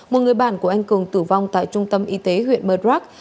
một người bạn của anh cường tử vong tại trung tâm y tế huyện murdrock